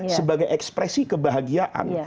sebagai ekspresi kebahagiaan